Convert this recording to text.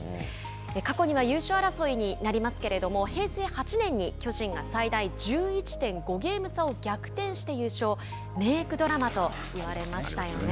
過去には優勝争いになりますけれども平成８年に巨人が最大１１．５ゲーム差を逆転して優勝「メークドラマ」と言われましたよね。